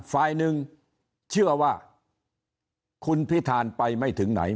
ฝ่ายหนึ่งเชื่อว่าคุณพิธานไปไม่ถึงไหน